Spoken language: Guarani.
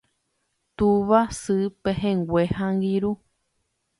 tuva, sy, pehẽngue ha angirũ